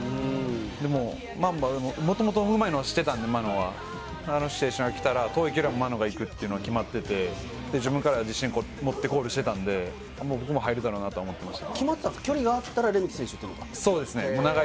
でも、もともとうまいのは知っていたので、あのシチュエーションが来たら行くというのは決まってたので自分で自信持ってゴールしてたんで、僕も入るだろうなと思っていました。